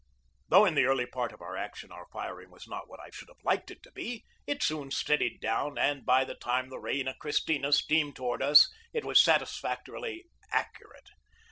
Though in the early part of the action our firing was not what I should have liked it to be, it soon steadied down, and by the time the Reina Cristina steamed toward us it was satisfactorily accurate.